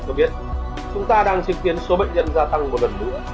cho biết chúng ta đang chứng kiến số bệnh nhân gia tăng một lần nữa